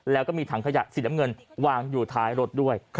แล้วก็มีถังขยะสีน้ำเงินวางอยู่ท้ายรถด้วย